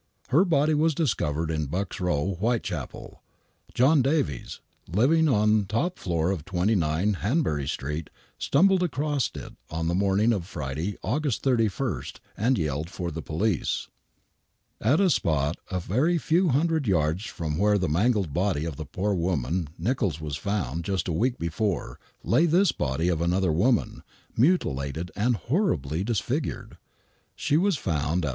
Her body was discovered in Buck's Kow, Whitechapel. John Davies, living on top floor of 29 Hanbury Street, stumbled across it on the morning of Friday, August 31, and yelled for the police. At a spot a very few hundred yards from where the mangled body of the poor woman NichoUs was found just a week before lay this body of another woman, mutilated and horribly disfigured. She was found at 5.